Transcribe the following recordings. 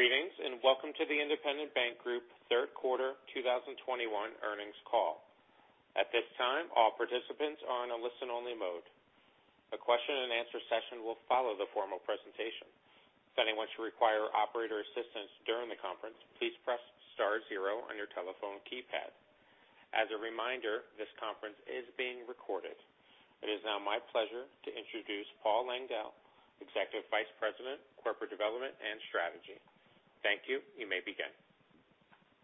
Greetings, and welcome to the Independent Bank Group third quarter 2021 earnings call. At this time, all participants are on a listen-only mode. A question-and-answer session will follow the formal presentation. If anyone should require operator assistance during the conference, please press star zero on your telephone keypad. As a reminder, this conference is being recorded. It is now my pleasure to introduce Paul Langdale, Executive Vice President, Corporate Development and Strategy. Thank you. You may begin.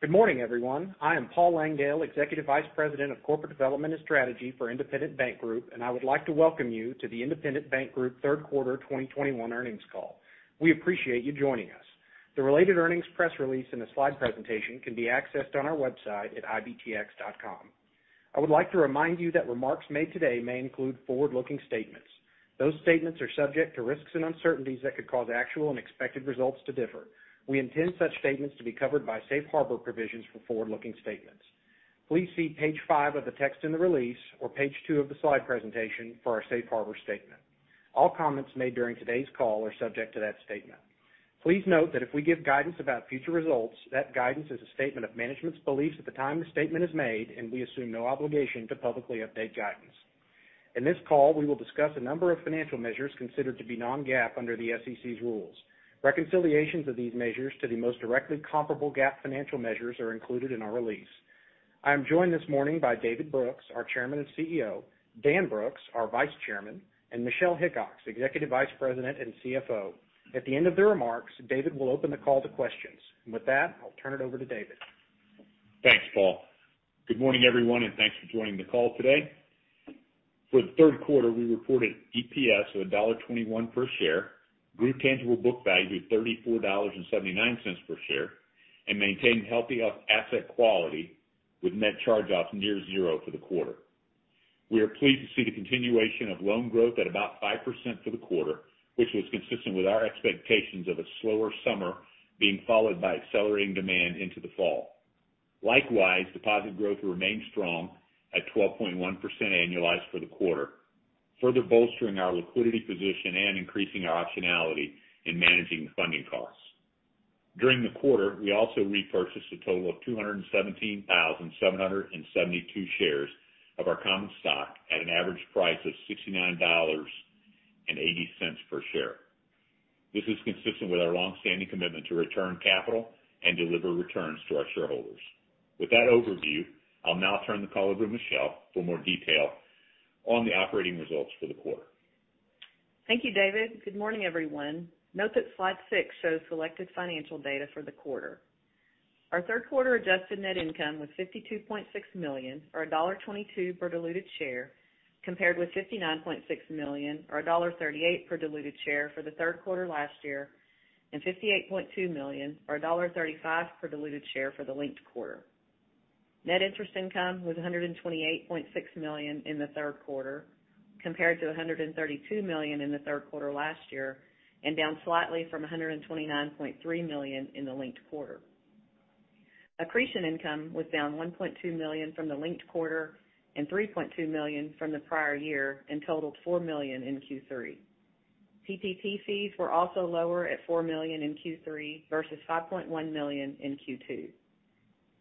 Good morning, everyone. I am Paul Langdale, Executive Vice President of Corporate Development and Strategy for Independent Bank Group, and I would like to welcome you to the Independent Bank Group third quarter 2021 earnings call. We appreciate you joining us. The related earnings press release and the slide presentation can be accessed on our website at ibtx.com. I would like to remind you that remarks made today may include forward-looking statements. Those statements are subject to risks and uncertainties that could cause actual and expected results to differ. We intend such statements to be covered by safe harbor provisions for forward-looking statements. Please see page five of the text in the release or page two of the slide presentation for our safe harbor statement. All comments made during today's call are subject to that statement. Please note that if we give guidance about future results, that guidance is a statement of management's beliefs at the time the statement is made, and we assume no obligation to publicly update guidance. In this call, we will discuss a number of financial measures considered to be non-GAAP under the SEC's rules. Reconciliations of these measures to the most directly comparable GAAP financial measures are included in our release. I am joined this morning by David Brooks, our Chairman and CEO, Dan Brooks, our Vice Chairman, and Michelle Hickox, Executive Vice President and CFO. At the end of the remarks, David will open the call to questions. With that, I'll turn it over to David. Thanks, Paul. Good morning, everyone, and thanks for joining the call today. For the third quarter, we reported EPS of $1.21 per share, group tangible book value $34.79 per share, and maintained healthy asset quality with net charge-offs near zero for the quarter. We are pleased to see the continuation of loan growth at about 5% for the quarter, which was consistent with our expectations of a slower summer being followed by accelerating demand into the fall. Likewise, deposit growth remained strong at 12.1% annualized for the quarter, further bolstering our liquidity position and increasing our optionality in managing the funding costs. During the quarter, we also repurchased a total of 217,772 shares of our common stock at an average price of $69.80 per share. This is consistent with our long-standing commitment to return capital and deliver returns to our shareholders. With that overview, I'll now turn the call over to Michelle for more detail on the operating results for the quarter. Thank you, David. Good morning, everyone. Note that slide 6 shows selected financial data for the quarter. Our third quarter adjusted net income was $52.6 million or $1.22 per diluted share, compared with $59.6 million or $1.38 per diluted share for the third quarter last year, and $58.2 million or $1.35 per diluted share for the linked quarter. Net interest income was $128.6 million in the third quarter, compared to $132 million in the third quarter last year, and down slightly from $129.3 million in the linked quarter. Accretion income was down $1.2 million from the linked quarter and $3.2 million from the prior year and totaled $4 million in Q3. PPP fees were also lower at $4 million in Q3 versus $5.1 million in Q2.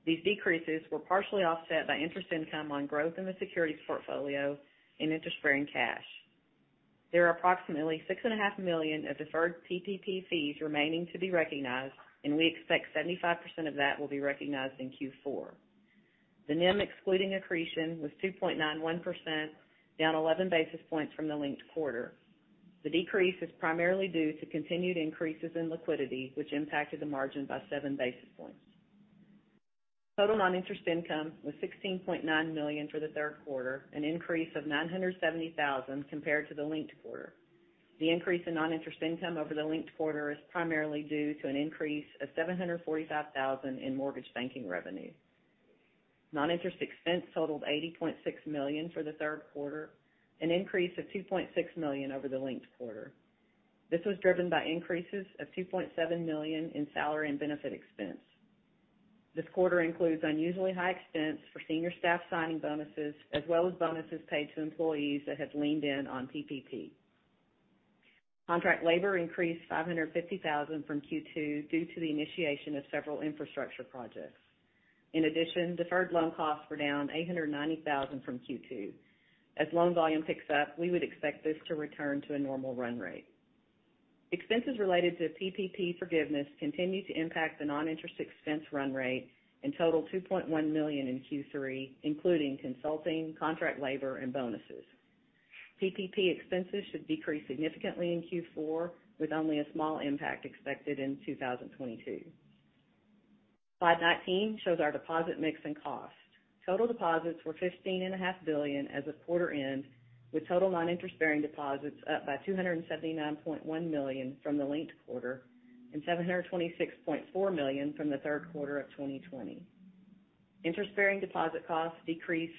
These decreases were partially offset by interest income on growth in the securities portfolio and interest-bearing cash. There are approximately $6.5 million of deferred PPP fees remaining to be recognized, and we expect 75% of that will be recognized in Q4. The NIM excluding accretion was 2.91%, down 11 basis points from the linked quarter. The decrease is primarily due to continued increases in liquidity, which impacted the margin by 7 basis points. Total non-interest income was $16.9 million for the third quarter, an increase of $970,000 compared to the linked quarter. The increase in non-interest income over the linked quarter is primarily due to an increase of $745,000 in mortgage banking revenue. Non-interest expense totaled $80.6 million for the third quarter, an increase of $2.6 million over the linked quarter. This was driven by increases of $2.7 million in salary and benefit expense. This quarter includes unusually high expense for senior staff signing bonuses as well as bonuses paid to employees that have leaned in on PPP. Contract labor increased $550 thousand from Q2 due to the initiation of several infrastructure projects. In addition, deferred loan costs were down $890 thousand from Q2. As loan volume picks up, we would expect this to return to a normal run rate. Expenses related to PPP forgiveness continued to impact the non-interest expense run rate and totaled $2.1 million in Q3, including consulting, contract labor, and bonuses. PPP expenses should decrease significantly in Q4, with only a small impact expected in 2022. Slide 19 shows our deposit mix and cost. Total deposits were $15.5 billion as of quarter end, with total non-interest-bearing deposits up by $279.1 million from the linked quarter and $726.4 million from the third quarter of 2020. Interest-bearing deposit costs decreased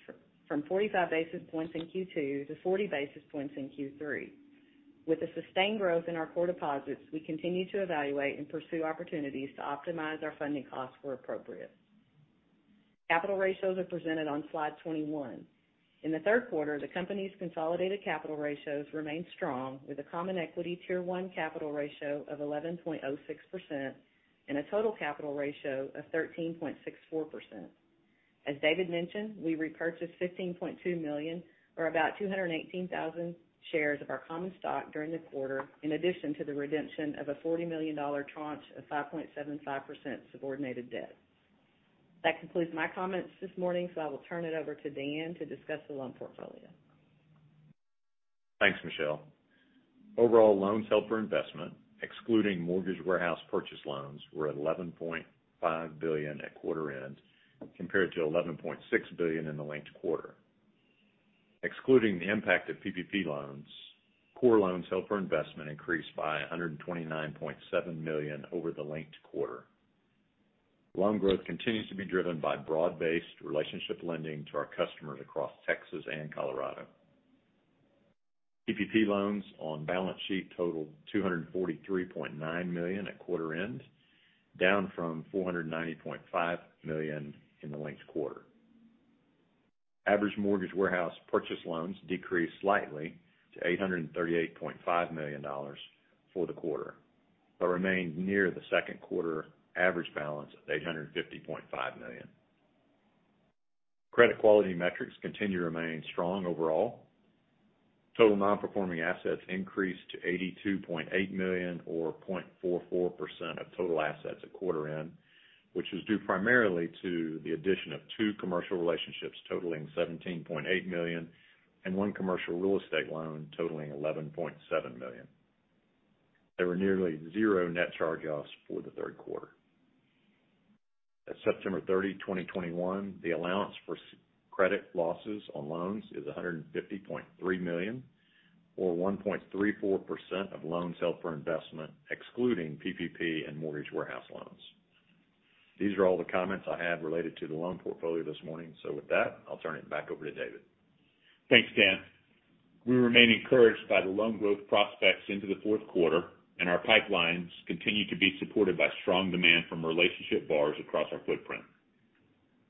from 45 basis points in Q2 to 40 basis points in Q3. With the sustained growth in our core deposits, we continue to evaluate and pursue opportunities to optimize our funding costs where appropriate. Capital ratios are presented on slide 21. In the third quarter, the company's consolidated capital ratios remained strong with a Common Equity Tier 1 capital ratio of 11.06% and a total capital ratio of 13.64%. As David mentioned, we repurchased 15.2 million, or about 218,000 shares of our common stock during the quarter, in addition to the redemption of a $40 million tranche of 5.75% subordinated debt. That concludes my comments this morning, so I will turn it over to Dan to discuss the loan portfolio. Thanks, Michelle. Overall loans held for investment, excluding mortgage warehouse purchase loans, were $11.5 billion at quarter end, compared to $11.6 billion in the linked quarter. Excluding the impact of PPP loans, core loans held for investment increased by $129.7 million over the linked quarter. Loan growth continues to be driven by broad-based relationship lending to our customers across Texas and Colorado. PPP loans on balance sheet totaled $243.9 million at quarter end, down from $490.5 million in the linked quarter. Average mortgage warehouse purchase loans decreased slightly to $838.5 million for the quarter, but remained near the second quarter average balance of $850.5 million. Credit quality metrics continue to remain strong overall. Total non-performing assets increased to $82.8 million or 0.44% of total assets at quarter end, which is due primarily to the addition of two commercial relationships totaling $17.8 million and one commercial real estate loan totaling $11.7 million. There were nearly zero net charge-offs for the third quarter. At September 30, 2021, the allowance for credit losses on loans is $150.3 million or 1.34% of loans held for investment, excluding PPP and mortgage warehouse loans. These are all the comments I have related to the loan portfolio this morning. With that, I'll turn it back over to David. Thanks, Dan. We remain encouraged by the loan growth prospects into the fourth quarter, and our pipelines continue to be supported by strong demand from relationship borrowers across our footprint.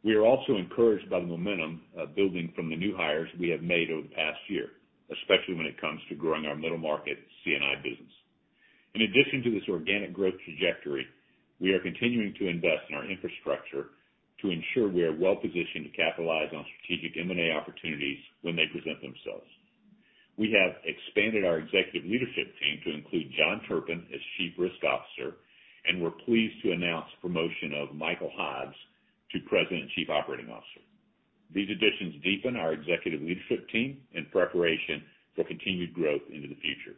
We are also encouraged by the momentum of building from the new hires we have made over the past year, especially when it comes to growing our middle market C&I business. In addition to this organic growth trajectory, we are continuing to invest in our infrastructure to ensure we are well-positioned to capitalize on strategic M&A opportunities when they present themselves. We have expanded our executive leadership team to include John Turpin as Chief Risk Officer, and we're pleased to announce promotion of Michael Hobbs to President and Chief Operating Officer. These additions deepen our executive leadership team in preparation for continued growth into the future.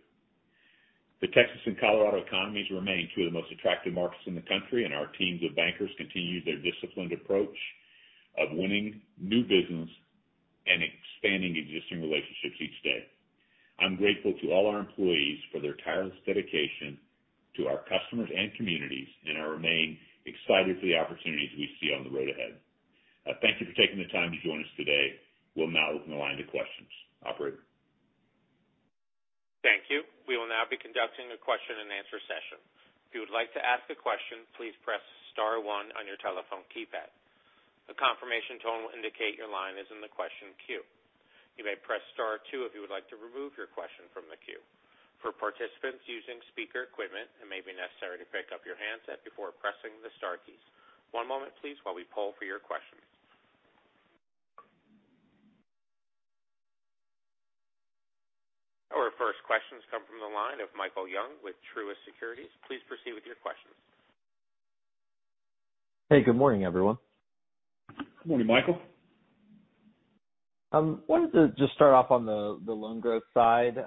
The Texas and Colorado economies remain two of the most attractive markets in the country, and our teams of bankers continue their disciplined approach of winning new business and expanding existing relationships each day. I'm grateful to all our employees for their tireless dedication to our customers and communities, and I remain excited for the opportunities we see on the road ahead. Thank you for taking the time to join us today. We'll now open the line to questions. Operator? Thank you. We will now be conducting a question-and-answer session. If you would like to ask a question, please press star one on your telephone keypad. A confirmation tone will indicate your line is in the question queue. You may press star two if you would like to remove your question from the queue. For participants using speaker equipment, it may be necessary to pick up your handset before pressing the star keys. One moment, please, while we poll for your questions. Our first questions come from the line of Michael Young with Truist Securities. Please proceed with your questions. Hey, good morning, everyone. Good morning, Michael. I wanted to just start off on the loan growth side.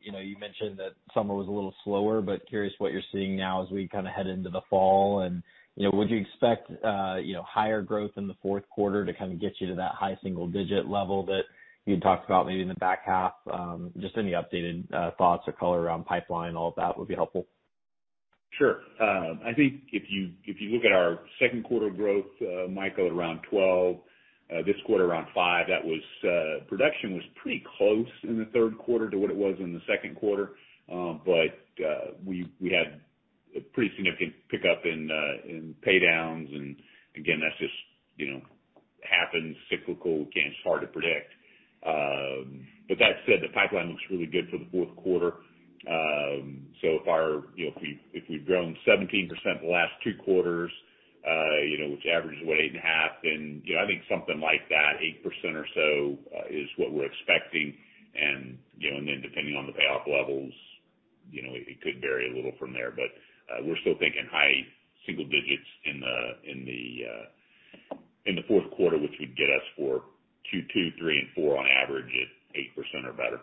You know, you mentioned that summer was a little slower, but I'm curious what you're seeing now as we kind of head into the fall and, you know, would you expect higher growth in the fourth quarter to kind of get you to that high single digit level that you had talked about maybe in the back half? Just any updated thoughts or color around pipeline, all of that would be helpful. Sure. I think if you look at our second quarter growth, Michael, at around 12, this quarter around 5, that was production was pretty close in the third quarter to what it was in the second quarter. But we had a pretty significant pickup in pay downs. Again, that's just you know happens, cyclical. Again, it's hard to predict. But that said, the pipeline looks really good for the fourth quarter. So if we've grown 17% the last two quarters, you know, which averages what, 8.5, then you know I think something like that, 8% or so is what we're expecting. You know, then depending on the payoff levels, you know, it could vary a little from there. We're still thinking high single digits in the fourth quarter, which would get us for 2, 3, and 4 on average at 8% or better.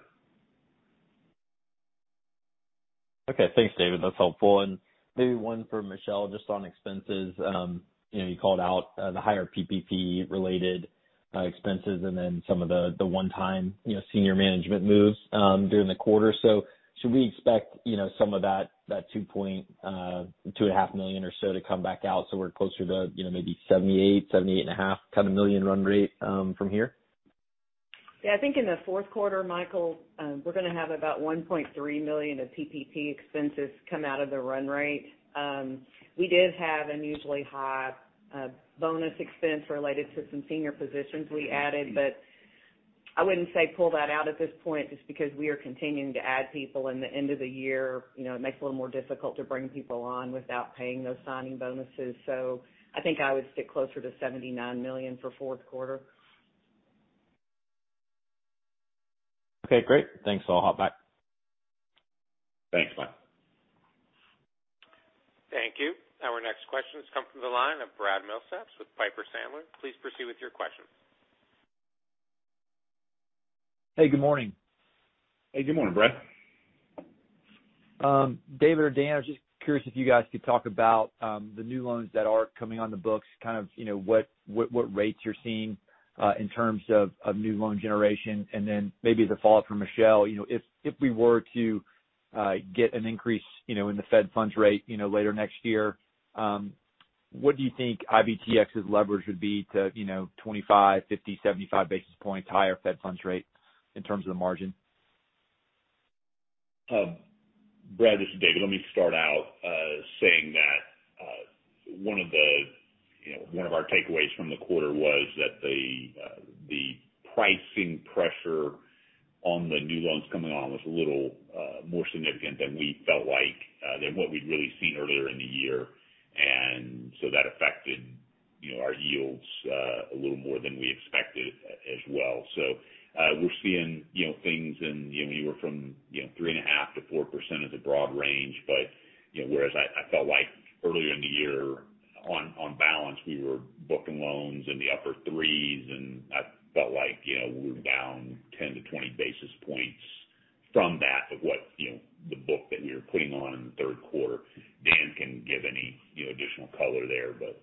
Okay, thanks, David. That's helpful. Maybe one for Michelle, just on expenses. You know, you called out the higher PPP related expenses and then some of the one-time, you know, senior management moves during the quarter. Should we expect, you know, some of that $2.2 million-$2.5 million or so to come back out, so we're closer to, you know, maybe $78 million-$78.5 million run rate from here? Yeah, I think in the fourth quarter, Michael, we're gonna have about $1.3 million of PPP expenses come out of the run rate. We did have unusually high bonus expense related to some senior positions we added. I wouldn't say pull that out at this point just because we are continuing to add people in the end of the year. You know, it makes it a little more difficult to bring people on without paying those signing bonuses. I think I would stick closer to $79 million for fourth quarter. Okay, great. Thanks. I'll hop back. Thanks, Michael. Thank you. Our next question comes from the line of Bradley Milsaps with Piper Sandler. Please proceed with your question. Hey, good morning. Hey, good morning, Brad. David or Dan, I was just curious if you guys could talk about the new loans that are coming on the books, kind of, you know, what rates you're seeing in terms of new loan generation. Then maybe as a follow-up from Michelle, you know, if we were to get an increase, you know, in the federal funds rate, you know, later next year, what do you think IBTX's leverage would be to, you know, 25, 50, 75 basis points higher federal funds rate in terms of the margin? Brad, this is David. Let me start out saying that one of the, you know, one of our takeaways from the quarter was that the pricing pressure on the new loans coming on was a little more significant than we felt like than what we'd really seen earlier in the year. That affected, you know, our yields a little more than we expected as well. We're seeing, you know, things in, you know, anywhere from, you know, 3.5%-4% as a broad range. You know, whereas I felt like earlier in the year, on balance, we were booking loans in the upper threes, and I felt like, you know, we were down 10-20 basis points from that of what, you know, the book that we were putting on in the third quarter. Dan can give any, you know, additional color there, but.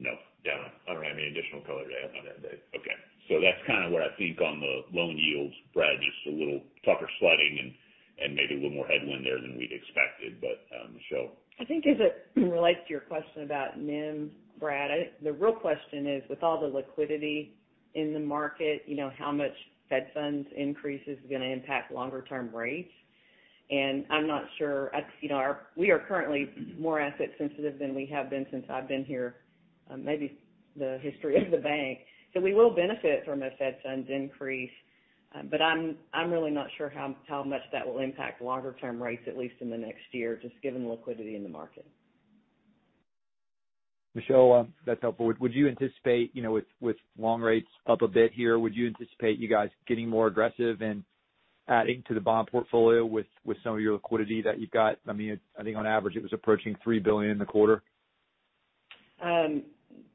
No. Yeah, I don't have any additional color to add on that, Dave. Okay. That's kind of what I think on the loan yields, Brad, just a little tougher sledding and maybe a little more headwind there than we'd expected. Michelle. I think as it relates to your question about NIM, Brad, the real question is, with all the liquidity in the market, you know, how much Fed funds increase is gonna impact longer-term rates. I'm not sure. You know, we are currently more asset sensitive than we have been since I've been here, maybe the history of the bank. We will benefit from a Fed funds increase. But I'm really not sure how much that will impact longer-term rates, at least in the next year, just given the liquidity in the market. Michelle, that's helpful. Would you anticipate, you know, with long rates up a bit here, you guys getting more aggressive and adding to the bond portfolio with some of your liquidity that you've got? I mean, I think on average, it was approaching $3 billion in the quarter.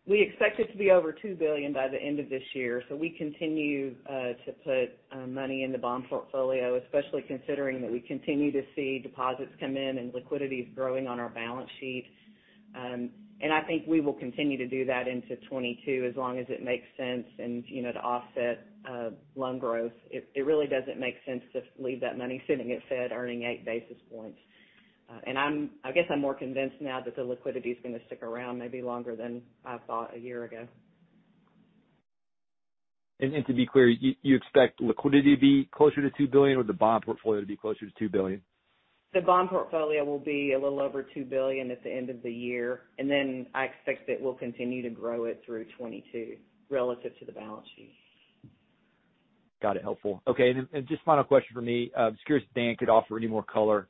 We expect it to be over $2 billion by the end of this year. We continue to put money in the bond portfolio, especially considering that we continue to see deposits come in and liquidity is growing on our balance sheet. I think we will continue to do that into 2022, as long as it makes sense. You know, to offset loan growth, it really doesn't make sense to leave that money sitting at Fed earning 8 basis points. I guess I'm more convinced now that the liquidity is gonna stick around maybe longer than I thought a year ago. To be clear, you expect liquidity to be closer to $2 billion or the bond portfolio to be closer to $2 billion? The bond portfolio will be a little over $2 billion at the end of the year, and then I expect that we'll continue to grow it through 2022 relative to the balance sheet. Got it. Helpful. Okay. Just final question from me. Just curious if Dan could offer any more color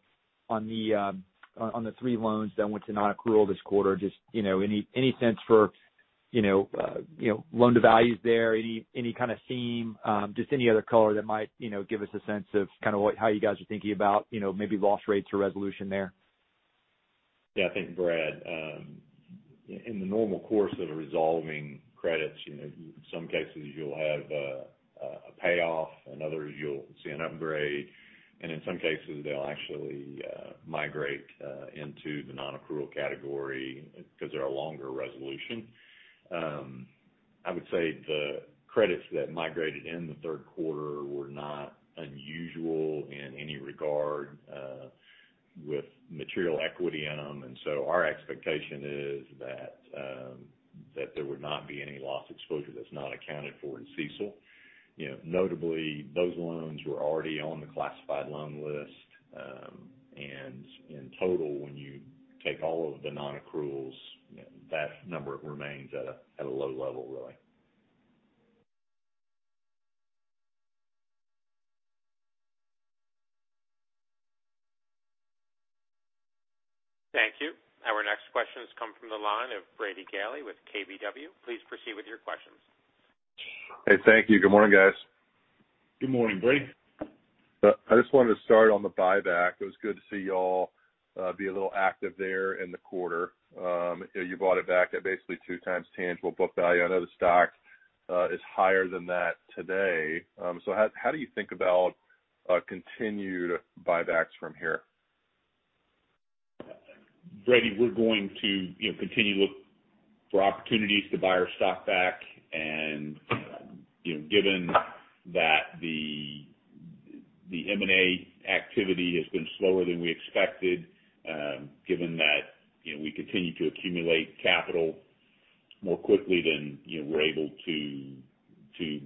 on the three loans that went to nonaccrual this quarter. Just, you know, any sense for, you know, loan to values there? Any kind of theme? Just any other color that might, you know, give us a sense of kind of how you guys are thinking about, you know, maybe loss rates or resolution there. Yeah, I think, Brad, in the normal course of resolving credits, you know, some cases you'll have a payoff and others you'll see an upgrade. In some cases, they'll actually migrate into the nonaccrual category because they're a longer resolution. I would say the credits that migrated in the third quarter were not unusual in any regard, with material equity in them. Our expectation is that there would not be any loss exposure that's not accounted for in CECL. You know, notably, those loans were already on the classified loan list. In total, when you take all of the nonaccruals, that number remains at a low level, really. Thank you. Our next question comes from the line of Brady Gailey with KBW. Please proceed with your questions. Hey, thank you. Good morning, guys. Good morning, Brady. I just wanted to start on the buyback. It was good to see y'all be a little active there in the quarter. You know, you bought it back at basically 2x tangible book value. I know the stock is higher than that today. How do you think about continued buybacks from here? Brady, we're going to, you know, continue to look for opportunities to buy our stock back. You know, given that the M&A activity has been slower than we expected, given that, you know, we continue to accumulate capital more quickly than, you know, we're able to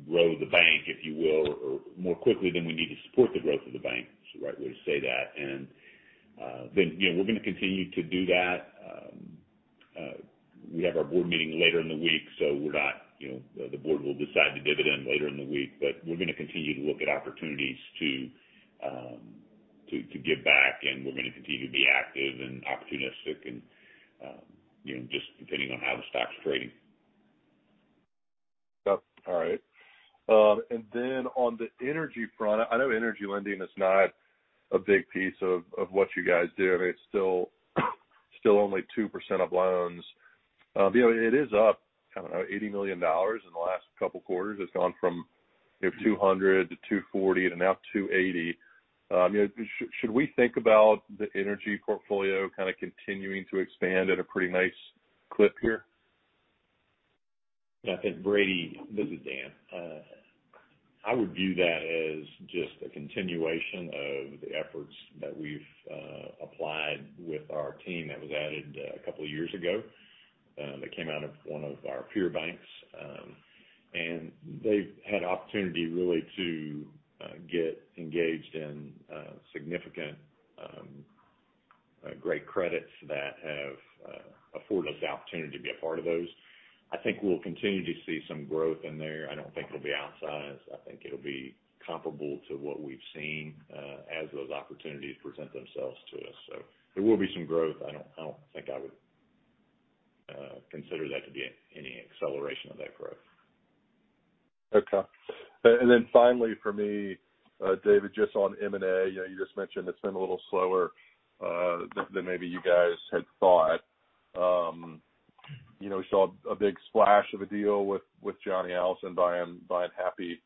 grow the bank, if you will, or more quickly than we need to support the growth of the bank, is the right way to say that. You know, we're gonna continue to do that. We have our board meeting later in the week, so we're not, you know, the board will decide the dividend later in the week. We're gonna continue to look at opportunities to give back, and we're gonna continue to be active and opportunistic and, you know, just depending on how the stock's trading. Yep, all right. On the energy front, I know energy lending is not a big piece of what you guys do, and it's still only 2% of loans. You know, it is up, I don't know, $80 million in the last couple quarters. It's gone from, you know, $200 million to $240 million and now to $280 million. You know, should we think about the energy portfolio kind of continuing to expand at a pretty nice clip here? I think Brady, this is Dan. I would view that as just a continuation of the efforts that we've applied with our team that was added a couple years ago, that came out of one of our peer banks. They've had opportunity really to get engaged in significant great credits that have afforded us the opportunity to be a part of those. I think we'll continue to see some growth in there. I don't think it'll be outsized. I think it'll be comparable to what we've seen, as those opportunities present themselves to us. There will be some growth. I don't think I would consider that to be any acceleration of that growth. Okay. Then finally for me, David, just on M&A. You know, you just mentioned it's been a little slower than maybe you guys had thought. You know, we saw a big splash of a deal with Johnny Allison buying Happy,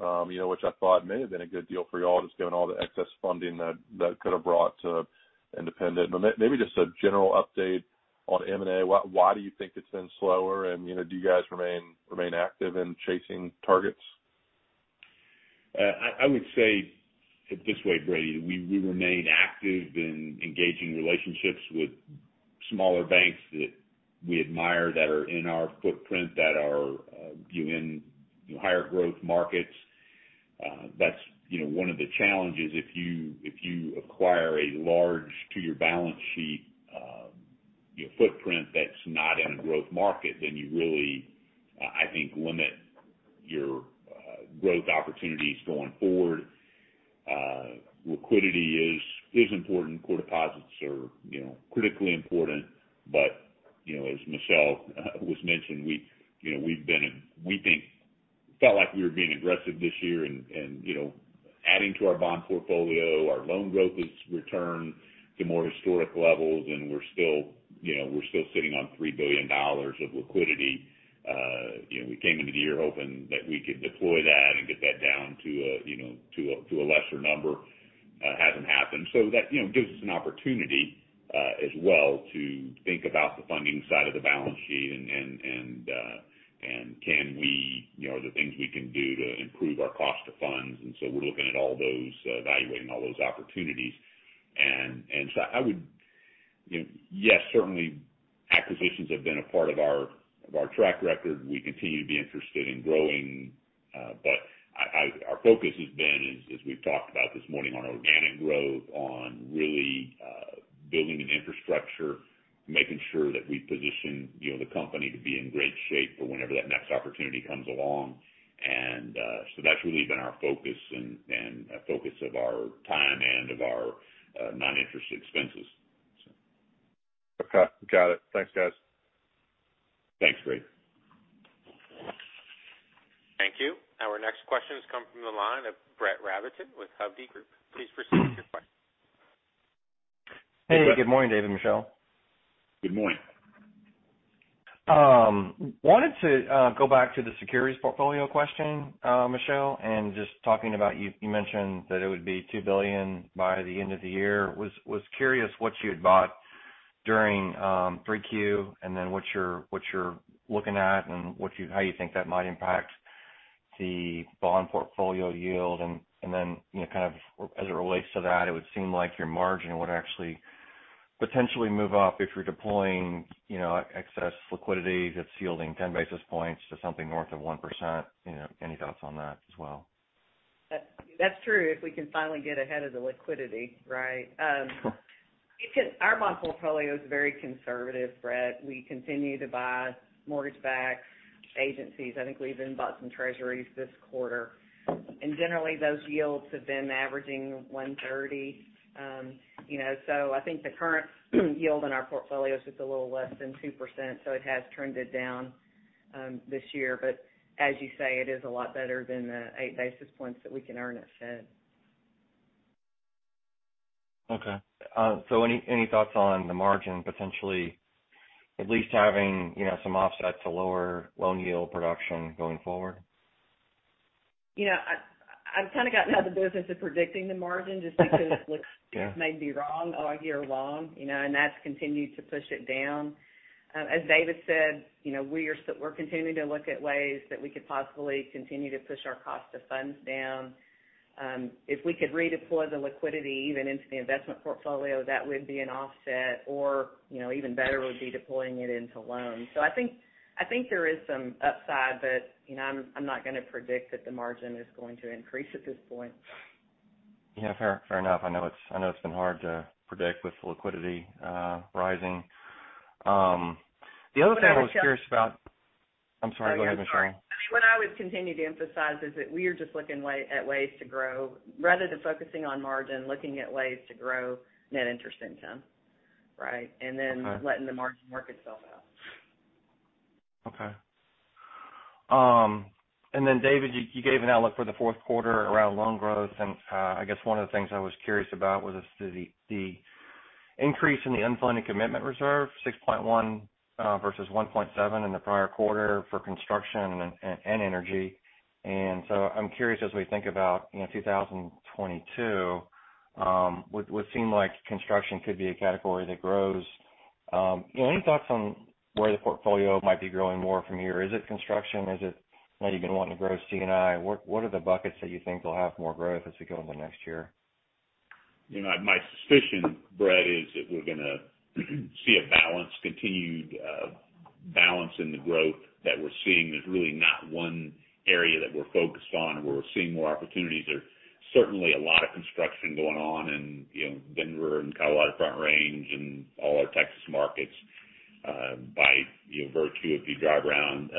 you know, which I thought may have been a good deal for y'all, just given all the excess funding that could have brought to Independent. But maybe just a general update on M&A. Why do you think it's been slower? And, you know, do you guys remain active in chasing targets? I would say it this way, Brady. We remain active in engaging relationships with smaller banks that we admire, that are in our footprint, that are, you know, in higher growth markets. That's, you know, one of the challenges. If you acquire a large addition to your balance sheet, you know, footprint that's not in a growth market, then you really, I think, limit your growth opportunities going forward. Liquidity is important. Core deposits are, you know, critically important. You know, as Michelle was mentioning, we, you know, we think we felt like we were being aggressive this year in, you know, adding to our bond portfolio. Our loan growth has returned to more historic levels, and we're still, you know, sitting on $3 billion of liquidity. You know, we came into the year hoping that we could deploy that and get that down to a lesser number. It hasn't happened. That, you know, gives us an opportunity as well to think about the funding side of the balance sheet and the things we can do to improve our cost of funds. So I would, you know. Yes, certainly acquisitions have been a part of our track record. We continue to be interested in growing. Our focus has been, as we've talked about this morning, on organic growth, on really building an infrastructure, making sure that we position, you know, the company to be in great shape for whenever that next opportunity comes along. That's really been our focus and a focus of our time and of our non-interest expenses. Okay. Got it. Thanks, guys. Thanks, Brady. Thank you. Our next question has come from the line of Brett Rabatin with Hovde Group. Please proceed with your question. Hey, Brett. Hey, good morning, David and Michelle. Good morning. Wanted to go back to the securities portfolio question, Michelle, and just talking about you mentioned that it would be $2 billion by the end of the year. Was curious what you had bought during 3Q, and then what you're looking at, and how you think that might impact the bond portfolio yield. Then, you know, kind of as it relates to that, it would seem like your margin would actually potentially move up if you're deploying, you know, excess liquidity that's yielding 10 basis points to something north of 1%. You know, any thoughts on that as well? That's true, if we can finally get ahead of the liquidity, right? Our bond portfolio is very conservative, Brett. We continue to buy mortgage-backed agencies. I think we even bought some treasuries this quarter. Generally, those yields have been averaging 1.30. You know, so I think the current yield in our portfolio is just a little less than 2%, so it has trended down this year. As you say, it is a lot better than the eight basis points that we can earn at Fed. Okay. Any thoughts on the margin potentially at least having, you know, some offset to lower loan yield production going forward? You know, I've kind of gotten out of the business of predicting the margin just because. Yeah. It's maybe wrong all year long, you know, and that's continued to push it down. As David said, you know, we're continuing to look at ways that we could possibly continue to push our cost of funds down. If we could redeploy the liquidity even into the investment portfolio, that would be an offset, or, you know, even better would be deploying it into loans. I think there is some upside, but, you know, I'm not gonna predict that the margin is going to increase at this point. Yeah, fair enough. I know it's been hard to predict with the liquidity rising. The other thing- I would just. I'm sorry. Go ahead, Michelle. What I would continue to emphasize is that we are just looking at ways to grow, rather than focusing on margin, looking at ways to grow net interest income, right? Okay. Letting the margin work itself out. Okay. And then David, you gave an outlook for the fourth quarter around loan growth, and I guess one of the things I was curious about was the increase in the unfunded commitment reserve, 6.1 versus 1.7 in the prior quarter for construction and energy. I'm curious, as we think about, you know, 2022, it would seem like construction could be a category that grows. You know, any thoughts on where the portfolio might be growing more from here? Is it construction? Is it now you've been wanting to grow C&I. What are the buckets that you think will have more growth as we go into next year? You know, my suspicion, Brett, is that we're gonna see a continued balance in the growth that we're seeing. There's really not one area that we're focused on where we're seeing more opportunities. There's certainly a lot of construction going on in, you know, Denver and Colorado Front Range and all our Texas markets, by virtue, if you drive around,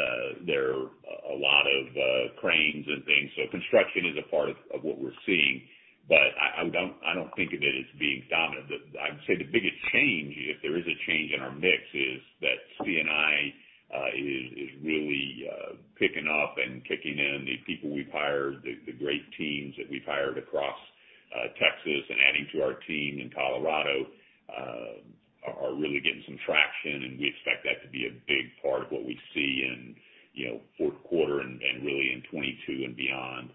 there are a lot of cranes and things. So construction is a part of what we're seeing, but I don't think of it as being dominant. I'd say the biggest change, if there is a change in our mix, is that C&I is really picking up and kicking in. The people we've hired, the great teams that we've hired across Texas and adding to our team in Colorado are really getting some traction, and we expect that to be a big part of what we see in, you know, fourth quarter and really in 2022 and beyond,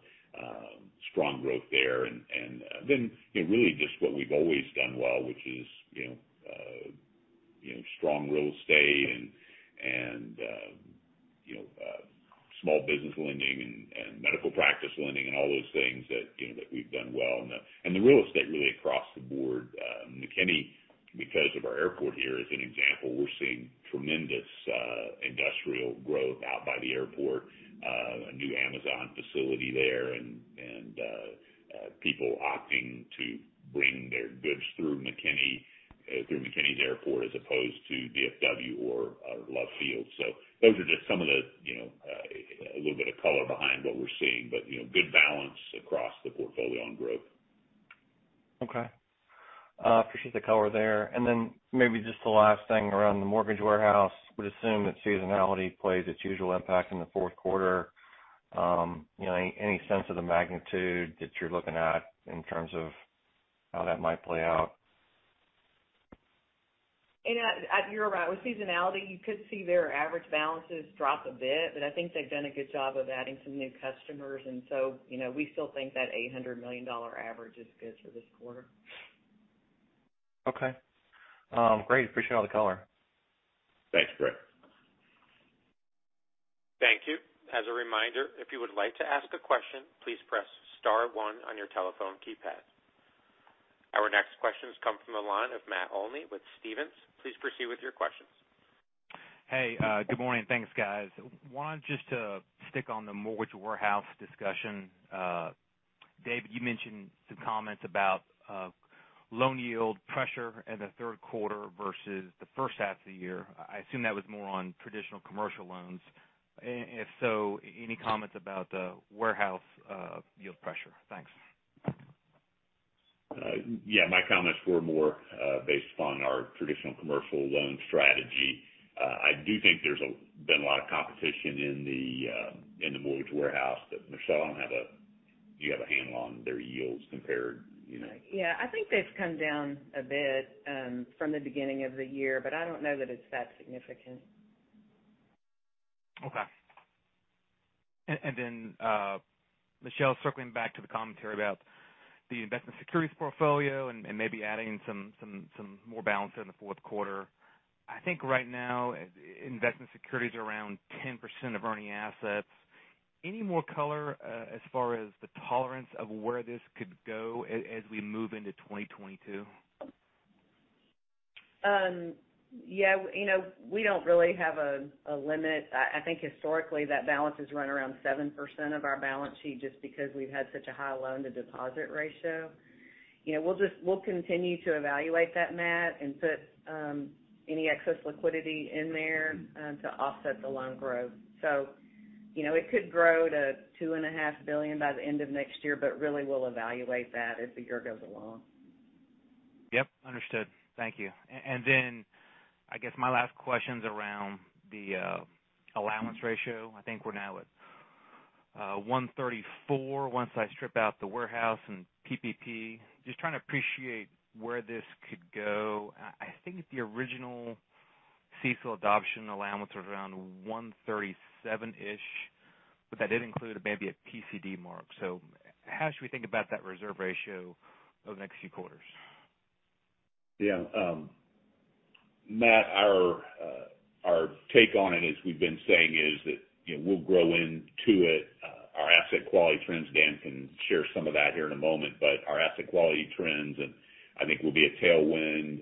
strong growth there. You know really just what we've always done well, which is, you know, strong real estate and small business lending and medical practice lending and all those things that, you know, that we've done well in the real estate really across the board. McKinney, because of our airport here, as an example, we're seeing tremendous industrial growth out by the airport. A new Amazon facility there and people opting to bring their goods through McKinney's airport as opposed to DFW or Love Field. Those are just some of the, you know, a little bit of color behind what we're seeing, but, you know, good balance across the portfolio and growth. Okay. Appreciate the color there. Then maybe just the last thing around the mortgage warehouse. I would assume that seasonality plays its usual impact in the fourth quarter. You know, any sense of the magnitude that you're looking at in terms of how that might play out? You know, you're right. With seasonality, you could see their average balances drop a bit, but I think they've done a good job of adding some new customers. You know, we still think that $800 million average is good for this quarter. Okay. Great. Appreciate all the color. Thanks, Brett. Thank you. As a reminder, if you would like to ask a question, please press star one on your telephone keypad. Our next question comes from the line of Matt Olney with Stephens. Please proceed with your questions. Hey, good morning. Thanks, guys. I wanted just to stick on the mortgage warehouse discussion. David, you mentioned some comments about loan yield pressure in the third quarter versus the first half of the year. I assume that was more on traditional commercial loans. If so, any comments about the warehouse yield pressure? Thanks. Yeah, my comments were more based upon our traditional commercial loan strategy. I do think there's been a lot of competition in the mortgage warehouse. Michelle, do you have a handle on their yields compared, you know? Yeah. I think they've come down a bit, from the beginning of the year, but I don't know that it's that significant. Okay. Then, Michelle, circling back to the commentary about the investment securities portfolio and maybe adding some more balance in the fourth quarter. I think right now investment securities are around 10% of earning assets. Any more color as far as the tolerance of where this could go as we move into 2022? Yeah. You know, we don't really have a limit. I think historically, that balance has run around 7% of our balance sheet just because we've had such a high loan to deposit ratio. You know, we'll continue to evaluate that, Matt, and put any excess liquidity in there to offset the loan growth. You know, it could grow to $2.5 billion by the end of next year, but really we'll evaluate that as the year goes along. Yep. Understood. Thank you. I guess my last question's around the allowance ratio. I think we're now at 1.34 once I strip out the warehouse and PPP. Just trying to appreciate where this could go. I think the original CECL adoption allowance was around 1.37-ish, but that did include maybe a PCD mark. How should we think about that reserve ratio over the next few quarters? Yeah. Matt, our take on it, as we've been saying is that, you know, we'll grow into it. Our asset quality trends, Dan can share some of that here in a moment, but our asset quality trends and I think will be a tailwind.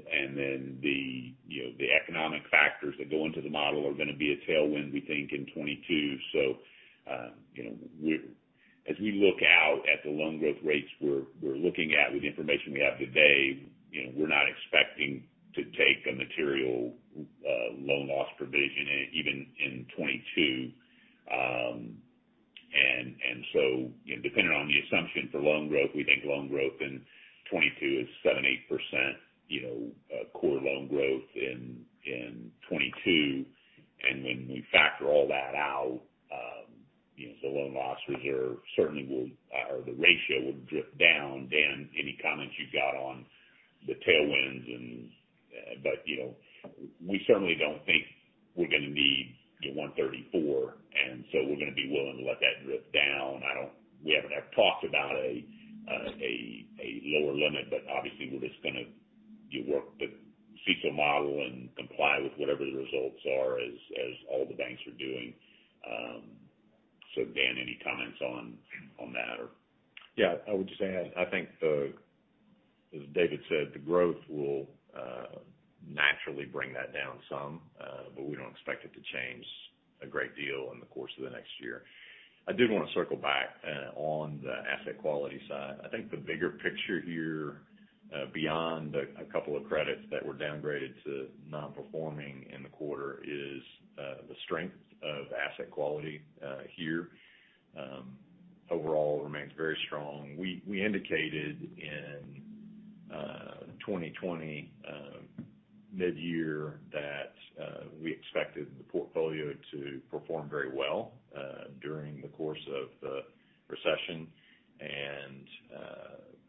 The, you know, the economic factors that go into the model are gonna be a tailwind, we think in 2022. You know, as we look out at the loan growth rates we're looking at with the information we have today, you know, we're not expecting to take a material loan loss provision even in 2022. You know, depending on the assumption for loan growth, we think loan growth in 2022 is 7%-8%, you know, core loan growth in 2022. When we factor all that out, you know, the loan loss reserve certainly will, or the ratio, will drift down. Dan, any comments you've got on the tailwinds and? You know, we certainly don't think we're gonna need, you know, 1.34, and so we're gonna be willing to let that drift down. We haven't had talks about a lower limit, but obviously we're just gonna do work, the CECL model and comply with whatever the results are as all the banks are doing. Dan, any comments on that or? Yeah, I would just add, I think as David said, the growth will naturally bring that down some, but we don't expect it to change a great deal in the course of the next year. I did wanna circle back on the asset quality side. I think the bigger picture here, beyond a couple of credits that were downgraded to non-performing in the quarter is the strength of asset quality here overall remains very strong. We indicated in 2020 mid-year that we expected the portfolio to perform very well during the course of the recession.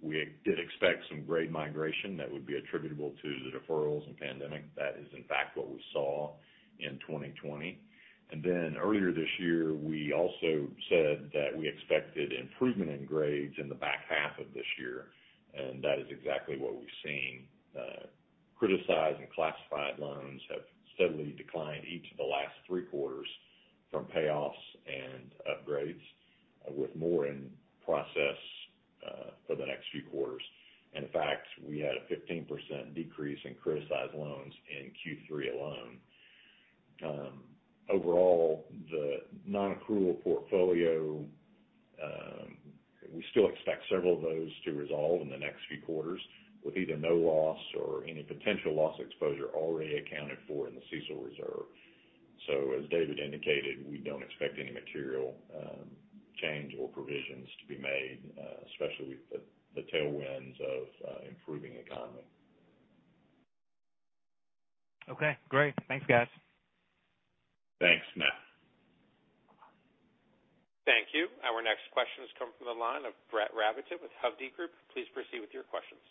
We did expect some grade migration that would be attributable to the deferrals and pandemic. That is in fact what we saw in 2020. Earlier this year, we also said that we expected improvement in grades in the back half of this year, and that is exactly what we've seen. Criticized and classified loans have steadily declined each of the last three quarters from payoffs and upgrades with more in process for the next few quarters. In fact, we had a 15% decrease in criticized loans in Q3 alone. Overall, the non-accrual portfolio, we still expect several of those to resolve in the next few quarters with either no loss or any potential loss exposure already accounted for in the CECL reserve. As David indicated, we don't expect any material change or provisions to be made, especially with the tailwinds of improving economy. Okay, great. Thanks, guys. Thanks, Matt. Thank you. Our next question has come from the line of Brett Rabatin with Hovde Group. Please proceed with your questions.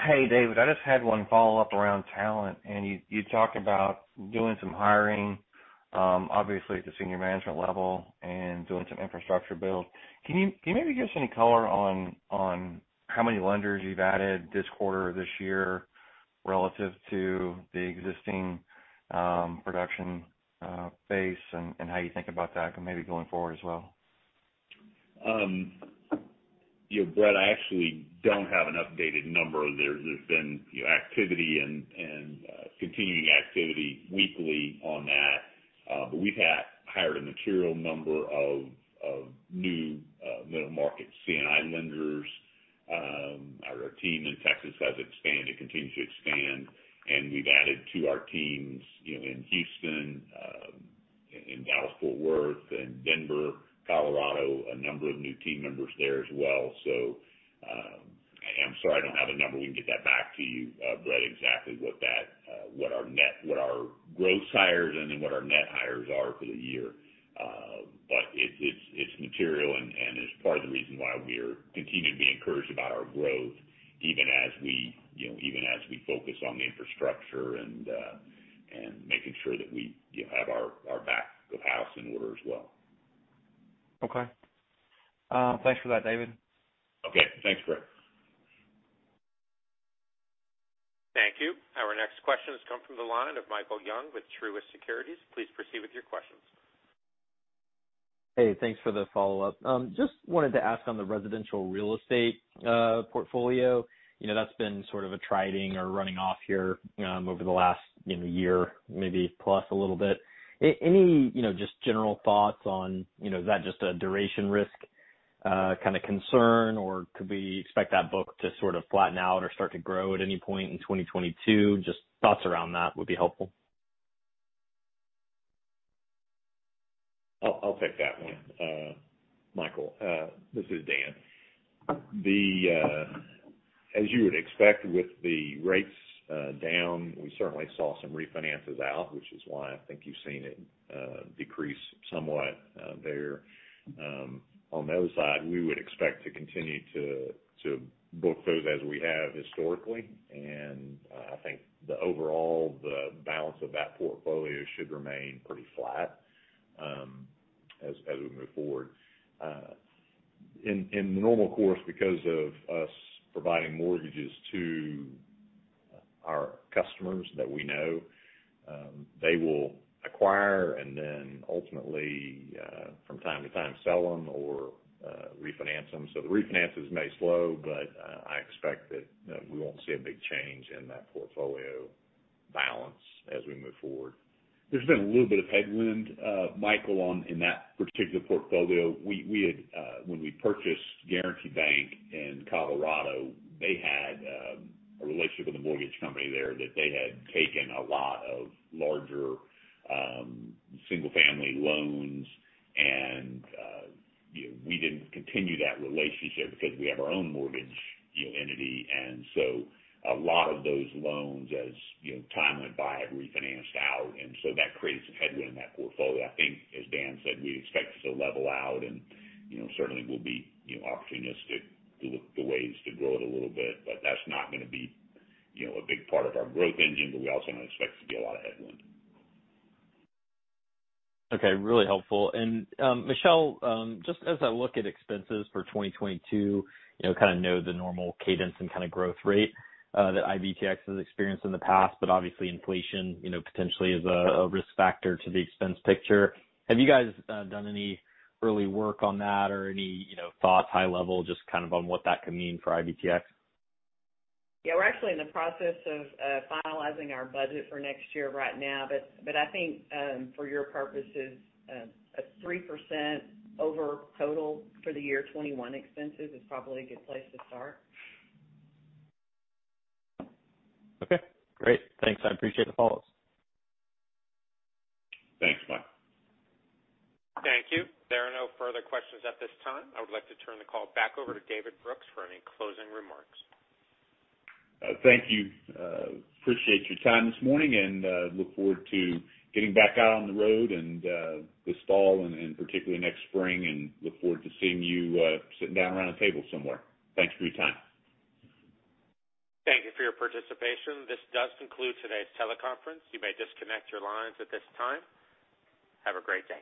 Hey, David. I just had one follow-up around talent, and you talked about doing some hiring, obviously at the senior management level and doing some infrastructure build. Can you maybe give us any color on how many lenders you've added this quarter or this year relative to the existing production base and how you think about that going forward as well? You know, Brett, I actually don't have an updated number. There's been, you know, activity and continuing activity weekly on that. We've hired a material number of new middle market C&I lenders. Our team in Texas has expanded, continues to expand, and we've added to our teams, you know, in Houston, in Dallas-Fort Worth, in Denver, Colorado, a number of new team members there as well. I am sorry I don't have a number. We can get back to you, Brett, exactly what that, what our net, what our gross hires and then what our net hires are for the year. It's material and is part of the reason why we're continuing to be encouraged about our growth even as we focus on the infrastructure and making sure that we, you know, have our back office in order as well. Okay. Thanks for that, David. Okay. Thanks, Brett. Thank you. Our next question has come from the line of Michael Young with Truist Securities. Please proceed with your questions. Hey, thanks for the follow-up. Just wanted to ask on the residential real estate portfolio. You know, that's been sort of a trailing or running off here over the last, you know, year, maybe plus a little bit. Any, you know, just general thoughts on, you know, is that just a duration risk kind of concern? Or could we expect that book to sort of flatten out or start to grow at any point in 2022? Just thoughts around that would be helpful. I'll take that one, Michael. This is Dan. As you would expect with the rates down, we certainly saw some refinances out, which is why I think you've seen it decrease somewhat there. On the other side, we would expect to continue to book those as we have historically. I think the overall balance of that portfolio should remain pretty flat. As we move forward in the normal course, because of us providing mortgages to our customers that we know, they will acquire and then ultimately, from time to time, sell them or refinance them. The refinances may slow, but I expect that we won't see a big change in that portfolio balance as we move forward. There's been a little bit of headwind, Michael, in that particular portfolio. We had, when we purchased Guaranty Bancorp in Colorado, they had a relationship with a mortgage company there that they had taken a lot of larger single-family loans and, you know, we didn't continue that relationship because we have our own mortgage, you know, entity. A lot of those loans, as, you know, time went by, have refinanced out, and so that creates some headwind in that portfolio. I think, as Dan said, we expect it to level out and, you know, certainly we'll be, you know, opportunistic to look for ways to grow it a little bit. That's not gonna be, you know, a big part of our growth engine, but we also don't expect to see a lot of headwind. Okay, really helpful. Michelle, just as I look at expenses for 2022, you know, kind of know the normal cadence and kinda growth rate that IBTX has experienced in the past, but obviously inflation, you know, potentially is a risk factor to the expense picture. Have you guys done any early work on that or any, you know, thoughts, high level, just kind of on what that could mean for IBTX? Yeah, we're actually in the process of finalizing our budget for next year right now. I think, for your purposes, a 3% over total for the year 2021 expenses is probably a good place to start. Okay, great. Thanks. I appreciate the follow-ups. Thanks, Mike. Thank you. There are no further questions at this time. I would like to turn the call back over to David Brooks for any closing remarks. Thank you. Appreciate your time this morning, and look forward to getting back out on the road and this fall and particularly next spring, and look forward to seeing you sitting down around a table somewhere. Thanks for your time. Thank you for your participation. This does conclude today's teleconference. You may disconnect your lines at this time. Have a great day.